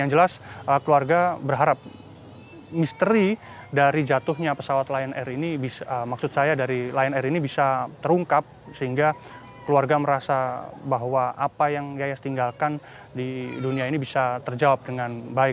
yang jelas keluarga berharap misteri dari jatuhnya pesawat lion air ini maksud saya dari lion air ini bisa terungkap sehingga keluarga merasa bahwa apa yang yayas tinggalkan di dunia ini bisa terjawab dengan baik